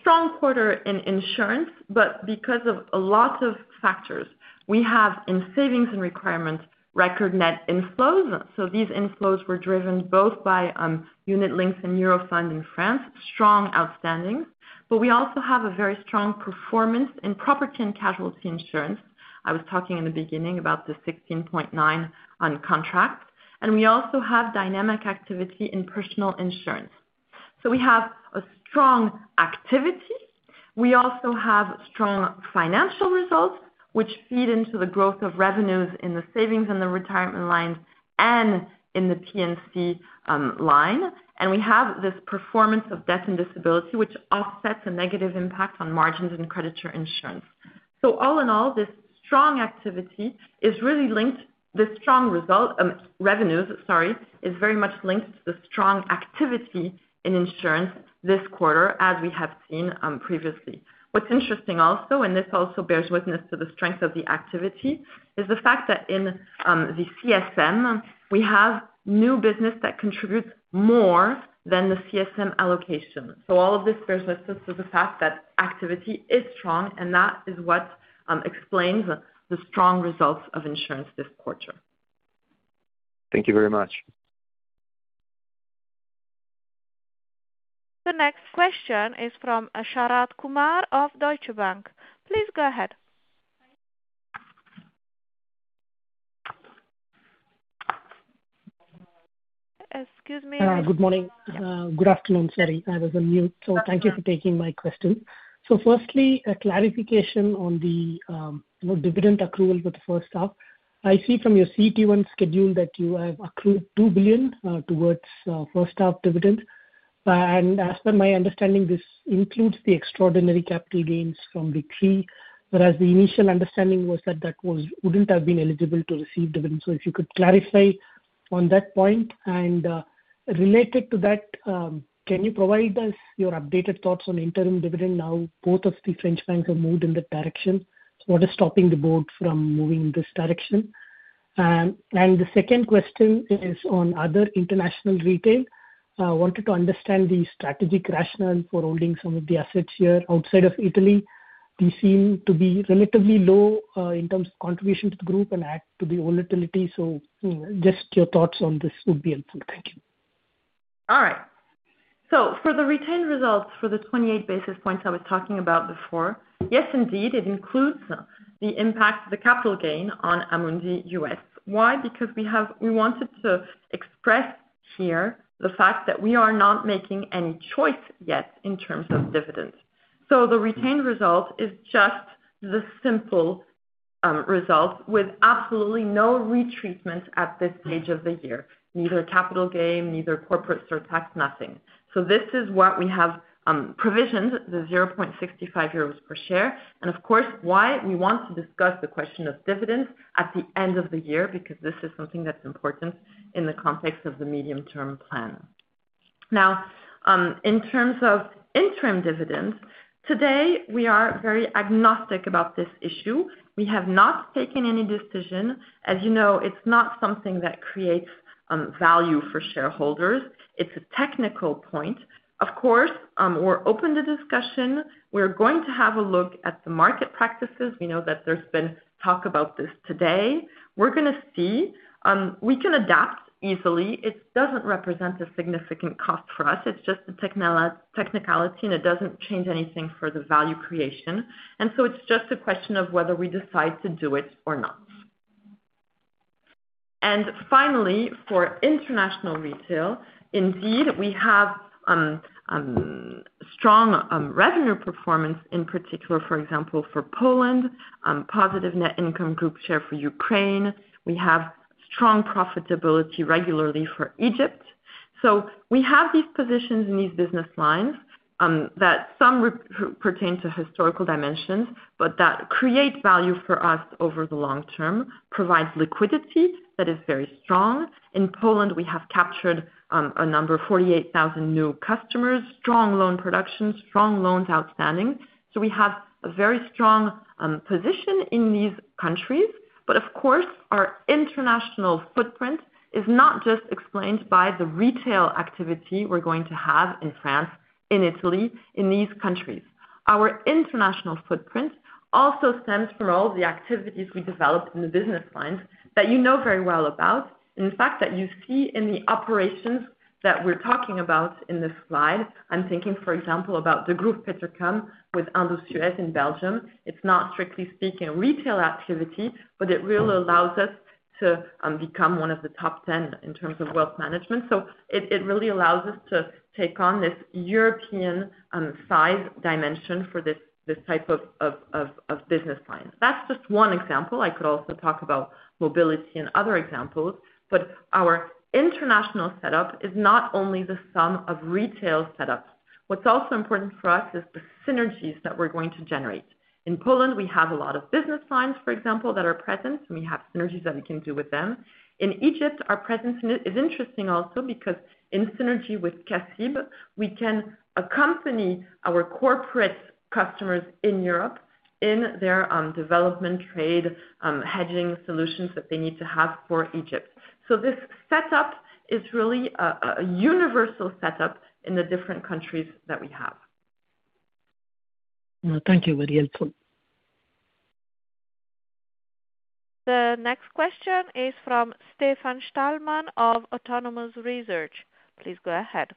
Strong quarter in insurance, but because of a lot of factors, we have in savings and retirement, record net inflows. These inflows were driven both by Unit-linked, and Eurofund, in France, strong outstanding. We also have a very strong performance in property and casualty insurance. I was talking in the beginning about the 16.9, on contract. We also have dynamic activity in personal insurance. We have a strong activity. We also have strong financial results, which feed into the growth of revenues in the savings and the retirement lines and in the P&C line. We have this performance of debt and disability, which offsets a negative impact on margins and creditor insurance. All in all, this strong activity is really linked—the strong revenues, sorry—is very much linked to the strong activity in insurance this quarter, as we have seen previously. What's interesting also, and this also bears witness to the strength of the activity, is the fact that in the CSM, we have new business that contributes more than the CSM, allocation. All of this bears witness to the fact that activity is strong, and that is what explains the strong results of insurance this quarter. Thank you very much. The next question is from Sharath Kumar, of Deutsche Bank. Please go ahead. Excuse me. Good morning. Good afternoon. Sorry, I was on mute. Thank you for taking my question. Firstly, a clarification on the dividend accrual for the first half. I see from your CET1, schedule that you have accrued 2 billion towards first half dividends. As per my understanding, this includes the extraordinary capital gains from the three, whereas the initial understanding was that that wouldn't have been eligible to receive dividends. If you could clarify on that point. Related to that, can you provide us your updated thoughts on interim dividend now? Both of the French banks have moved in that direction. What is stopping the board from moving in this direction? The second question is on other international retail. I wanted to understand the strategic rationale for holding some of the assets here outside of Italy. They seem to be relatively low in terms of contribution to the group and add to the volatility. Just your thoughts on this would be helpful. Thank you. All right. For the retained results for the 28 basis points, I was talking about before, yes, indeed, it includes the impact of the capital gain, on Amundi U.S. Why? Because we wanted to express here the fact that we are not making any choice yet in terms of dividends. The retained result is just the simple result with absolutely no retreatment at this stage of the year, neither capital gain, neither corporate surtax, nothing. This is what we have provisioned, the 0.65 euros per share. Of course, we want to discuss the question of dividends at the end of the year because this is something that's important in the context of the medium-term plan. In terms of interim dividends, today, we are very agnostic about this issue. We have not taken any decision. As you know, it's not something that creates value for shareholders. It's a technical point. Of course, we're open to discussion. We're going to have a look at the market practices. We know that there's been talk about this today. We're going to see. We can adapt easily. It doesn't represent a significant cost for us. It's just the technicality, and it doesn't change anything for the value creation. It's just a question of whether we decide to do it or not. Finally, for international retail, indeed, we have strong revenue performance in particular, for example, for Poland, positive net income group share for Ukraine. We have strong profitability regularly for Egypt. We have these positions in these business lines that some pertain to historical dimensions, but that create value for us over the long term, provide liquidity, that is very strong. In Poland, we have captured a number of 48,000 new customers, strong loan production, strong loans outstanding. We have a very strong position in these countries. Of course, our international footprint is not just explained by the retail activity we're going to have in France, in Italy, in these countries. Our international footprint also stems from all the activities we developed in the business lines that you know very well about, in fact, that you see in the operations that we're talking about in this slide. I'm thinking, for example, about Degroof Petercam, with Indosuez, in Belgium. It's not strictly speaking retail activity, but it really allows us to become one of the top 10 in terms of wealth management. It really allows us to take on this European, size dimension for this type of business line. That's just one example. I could also talk about mobility and other examples. Our international setup is not only the sum of retail setups. What's also important for us is the synergies that we're going to generate. In Poland, we have a lot of business lines, for example, that are present. We have synergies that we can do with them. In Egypt, our presence is interesting also because in synergy with CACIB, we can accompany our corporate customers in Europe in their development trade hedging solutions that they need to have for Egypt. This setup is really a universal setup in the different countries that we have. Thank you. Very helpful. The next question is from Stefan Stalmann, of Autonomous Research. Please go ahead.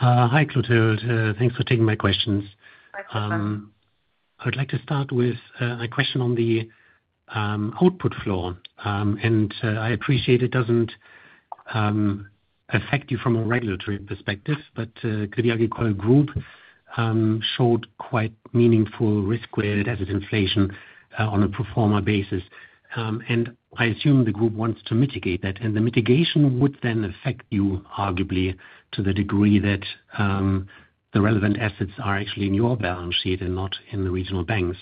Hi, Clotilde. Thanks for taking my questions. I would like to start with a question on the output floor. I appreciate it doesn't affect you from a regulatory perspective, but Crédit Agricole Group showed quite meaningful risk-weighted asset inflation, on a pro forma basis. I assume the group wants to mitigate that. The mitigation would then affect you, arguably, to the degree that the relevant assets are actually in your balance sheet and not in the regional banks.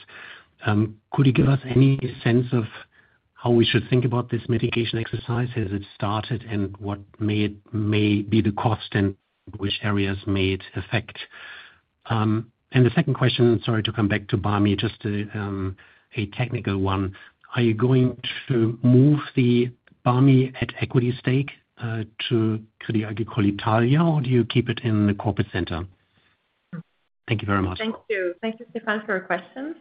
Could you give us any sense of how we should think about this mitigation exercise as it started and what may be the cost and which areas may it affect? The second question, sorry to come back to Banco BPM, just a technical one. Are you going to move the Banco BPM, at equity stake to Crédit Agricole Italia, or do you keep it in the corporate center? Thank you very much. Thank you. Thank you, Stefan, for your questions.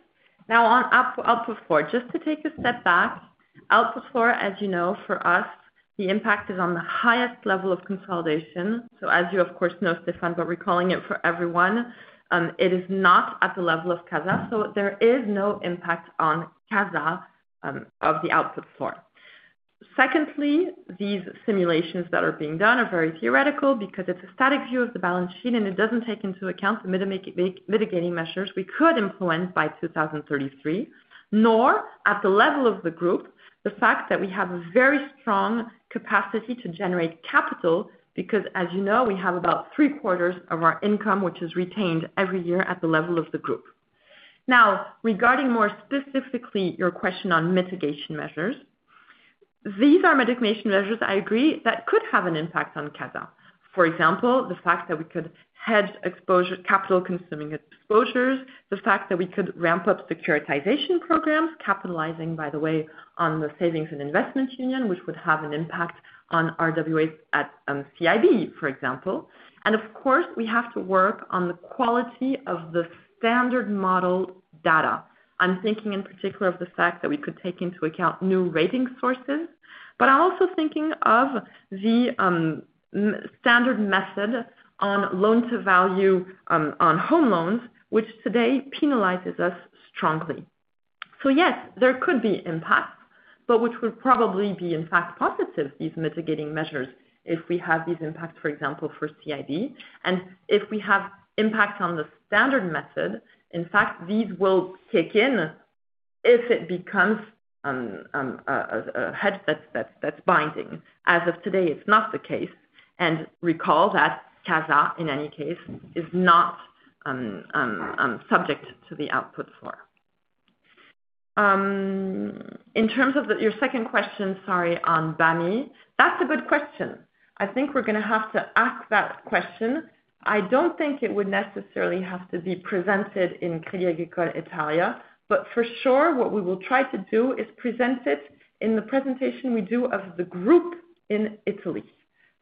Now, on Output 4, just to take a step back, Output 4, as you know, for us, the impact is on the highest level of consolidation. As you, of course, know, Stefan, but we're calling it for everyone. It is not at the level of CASA, So there is no impact on CASA, of the Output 4. Secondly, these simulations that are being done are very theoretical because it's a static view of the balance sheet, and it doesn't take into account the mitigating measures we could implement by 2033, nor at the level of the group, the fact that we have a very strong capacity to generate capital because, as you know, we have about three-quarters of our income, which is retained every year at the level of the group. Now, regarding more specifically your question on mitigation measures, these are mitigation measures, I agree, that could have an impact on CASA, For example, the fact that we could hedge capital-consuming exposures, the fact that we could ramp up securitization programs, capitalizing, by the way, on the Savings and Investment Union, which would have an impact on RWAs, at CIB, for example. We have to work on the quality of the standard model data. I'm thinking in particular of the fact that we could take into account new rating sources, but I'm also thinking of the standard method on loan-to-value, on home loans, which today penalizes us strongly. There could be impacts, but which would probably be, in fact, positive, these mitigating measures, if we have these impacts, for example, for CIB. If we have impact on the standard method, these will kick in. If it becomes a hedge that's binding. As of today, it's not the case. Recall that CASA, in any case, is not subject to the Output 4. In terms of your second question, on Banco BPM, that's a good question. I think we're going to have to ask that question. I don't think it would necessarily have to be presented in Crédit Agricole Italia, but for sure, what we will try to do is present it in the presentation we do of the group in Italy.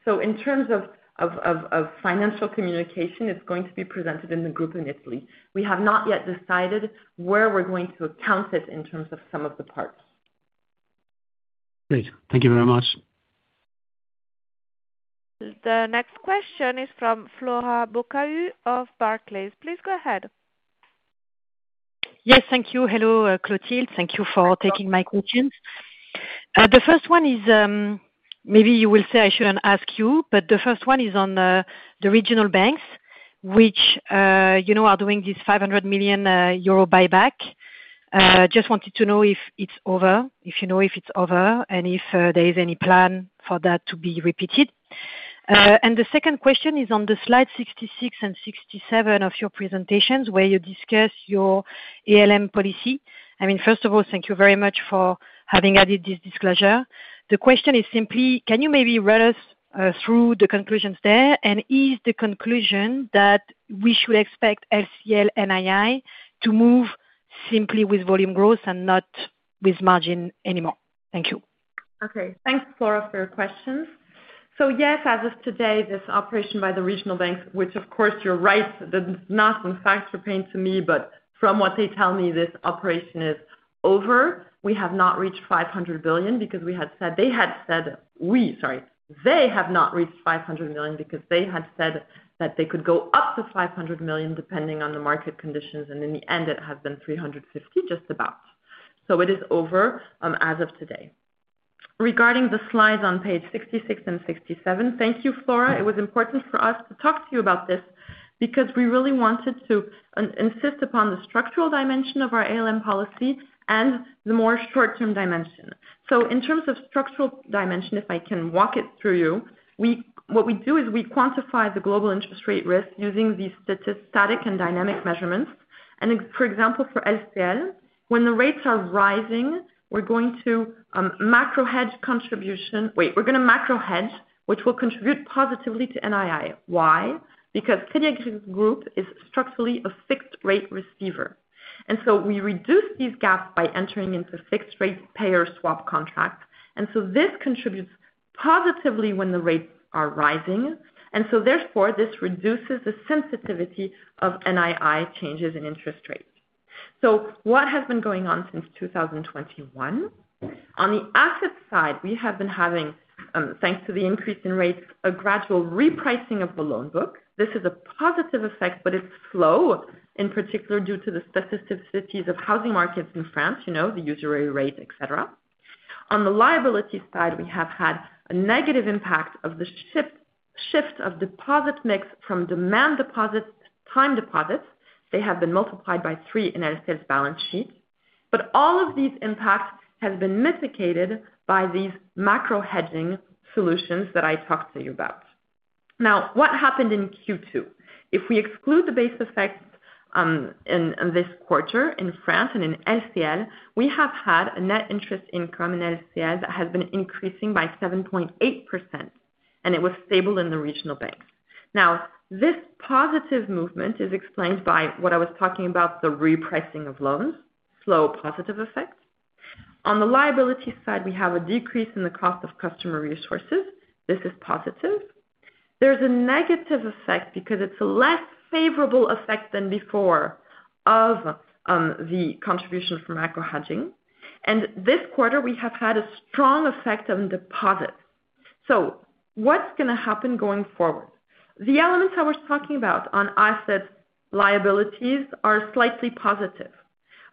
In terms of financial communication, it's going to be presented in the group in Italy. We have not yet decided where we're going to account it in terms of some of the parts. Great, thank you very much. The next question is from Flora Bocahut, of Barclays. Please go ahead. Yes, thank you. Hello, Clotilde. Thank you for taking my questions. The first one is on the regional banks, which are doing this 500 million euro buyback. I just wanted to know if it's over, if you know if it's over, and if there is any plan for that to be repeated. The second question is on slide 66 and 67, of your presentations where you discuss your ALM policy. First of all, thank you very much for having added this disclosure. The question is simply, can you maybe read us through the conclusions there? Is the conclusion that we should expect LCL, NII, to move simply with volume growth and not with margin anymore? Thank you. Okay. Thanks, Flora, for your questions. Yes, as of today, this operation by the regional banks, which, of course, you're right, it's not, in fact, pertaining to me, but from what they tell me, this operation is over. We have not reached 500 million because they had said that they could go up to 500 million depending on the market conditions. In the end, it has been 350 million, just about. It is over as of today. Regarding the slides on page 66 and 67, thank you, Flora. It was important for us to talk to you about this because we really wanted to insist upon the structural dimension of our ALM policy, and the more short-term dimension. In terms of structural dimension, if I can walk it through you, what we do is we quantify the global interest rate risk using these statistically static and dynamic measurements. For example, for LCL, when the rates are rising, we're going to macro hedge, which will contribute positively to NII. Why? Because Crédit Agricole Group is structurally a fixed-rate receiver. We reduce these gaps by entering into fixed-rate payer swap contracts, and this contributes positively when the rates are rising. Therefore, this reduces the sensitivity of NII, changes in interest rates. What has been going on since 2021? On the asset side, we have been having, thanks to the increase in rates, a gradual repricing of the loan book. This is a positive effect, but it's slow, in particular due to the specificities of housing markets in France, the usury rate, etc. On the liability side, we have had a negative impact of the shift of deposit mix from demand deposits to time deposits. They have been multiplied by three in LCL's, balance sheet. All of these impacts have been mitigated by these macro hedging solutions, that I talked to you about. Now, what happened in Q2? If we exclude the base effects, in this quarter in France, and in LCL, we have had a net interest income in LCL that has been increasing by 7.8%. It was stable in the regional banks. This positive movement is explained by what I was talking about, the repricing of loans, slow positive effect. On the liability side, we have a decrease in the cost of customer resources. This is positive. There's a negative effect because it's a less favorable effect than before of the contribution from macro hedging. This quarter, we have had a strong effect on deposits. What's going to happen going forward? The elements I was talking about on asset liabilities are slightly positive,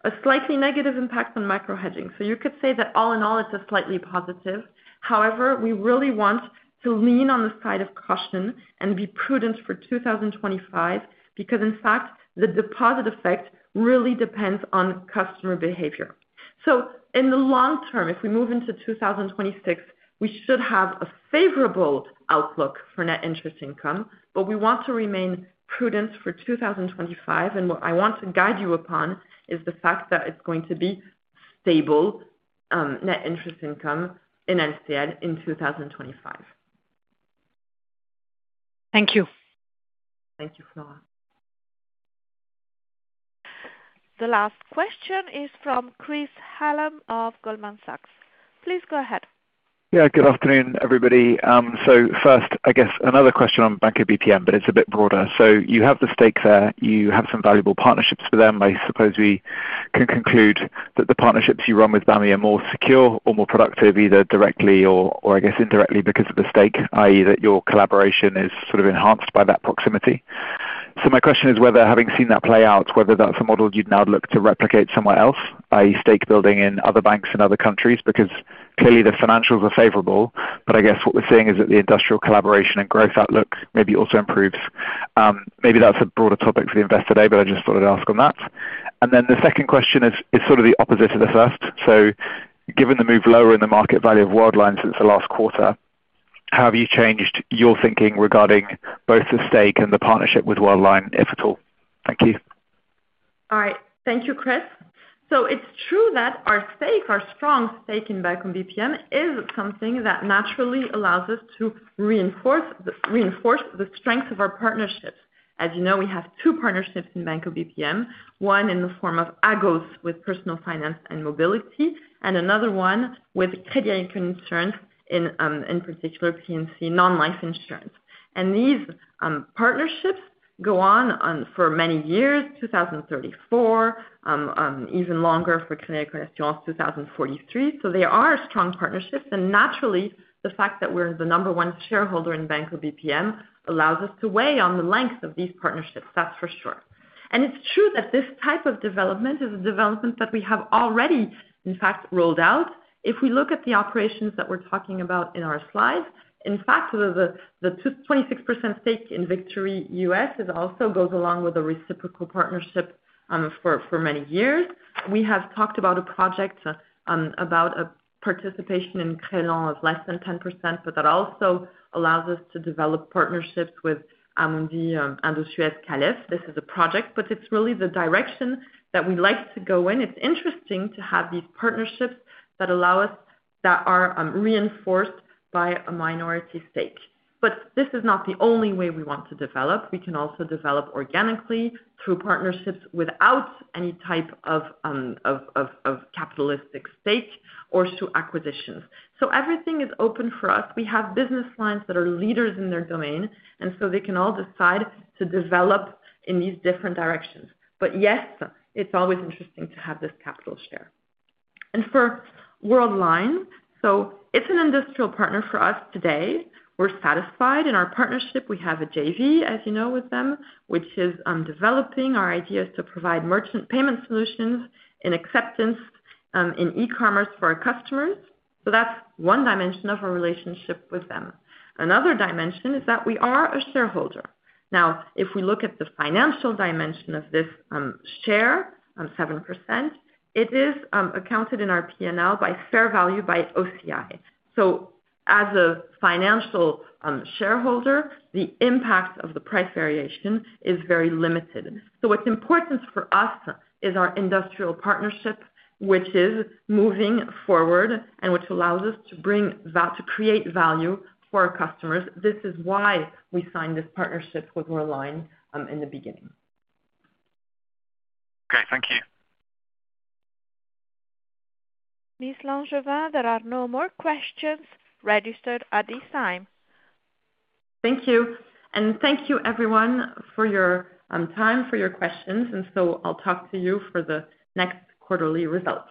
with a slightly negative impact on macro hedging. You could say that all in all, it's slightly positive. However, we really want to lean on the side of caution and be prudent for 2025 because, in fact, the deposit effect really depends on customer behavior. In the long term, if we move into 2026, we should have a favorable outlook for net interest income, but we want to remain prudent for 2025. What I want to guide you upon is the fact that it's going to be stable net interest income in LCL, in 2025. Thank you. Thank you, Flora. The last question is from Chris Hallam, of Goldman Sachs. Please go ahead. Good afternoon, everybody. First, I guess, another question on Banco BPM, but it's a bit broader. You have the stake there. You have some valuable partnerships with them. I suppose we can conclude that the partnerships you run with BAMI, are more secure or more productive, either directly or, I guess, indirectly because of the stake, i.e., that your collaboration is sort of enhanced by that proximity. My question is whether, having seen that play out, that's a model you'd now look to replicate somewhere else, i.e., stake building in other banks in other countries, because clearly the financials are favorable, but I guess what we're seeing is that the industrial collaboration and growth outlook, maybe also improves. Maybe that's a broader topic for the investor today, but I just thought I'd ask on that. The second question is sort of the opposite of the first. Given the move lower in the market value of Worldline, since the last quarter, how have you changed your thinking regarding both the stake and the partnership with Worldline, if at all? Thank you. All right. Thank you, Chris. It's true that our strong stake in Banco BPM, is something that naturally allows us to reinforce the strength of our partnerships. As you know, we have two partnerships in Banco BPM, one in the form of AGOS, with personal finance and mobility, and another one with Crédit Agricole Assurance, in particular, PNC Non-Life Insurance. These partnerships go on for many years, 2034, even longer for Crédit Agricole Assurance, 2043. They are strong partnerships. Naturally, the fact that we're the number one shareholder in Banco BPM, allows us to weigh on the length of these partnerships, that's for sure. This type of development, is a development that we have already, in fact, rolled out. If we look at the operations that we're talking about in our slides, the 26%, stake in Victory U.S., also goes along with a reciprocal partnership for many years. We have talked about a project about a participation in Creval of less than 10%, but that also allows us to develop partnerships with Amundi. This is a project, but it's really the direction that we like to go in. It's interesting to have these partnerships that are reinforced by a minority stake. This is not the only way we want to develop. We can also develop organically through partnerships without any type of capitalistic stake, or through acquisitions. Everything is open for us. We have business lines that are leaders in their domain, and they can all decide to develop in these different directions. Yes, it's always interesting to have this capital share. For Worldline, it's an industrial partner for us today. We're satisfied in our partnership. We have a JV, as you know, with them, which is developing our ideas to provide merchant payment solutions in acceptance in e-commerce for our customers. That's one dimension of our relationship with them. Another dimension is that we are a shareholder. Now, if we look at the financial dimension of this share, 7%, it is accounted in our P&L, by fair value by OCI. As a financial shareholder, the impact of the price variation is very limited. What's important for us is our industrial partnership, which is moving forward and which allows us to create value for our customers. This is why we signed this partnership with Worldline in the beginning. Okay, thank you. Clotilde L’Angevin, there are no more questions registered at this time. Thank you. Thank you, everyone, for your time and for your questions. I'll talk to you for the next quarterly results.